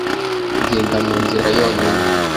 ngenda mu nzira yonyine